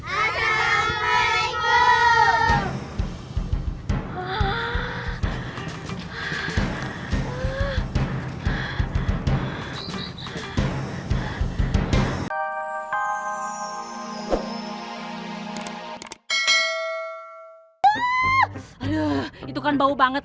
aduh itu kan bau banget